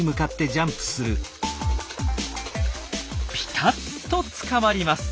ピタッとつかまります。